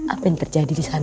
apa yang terjadi di sana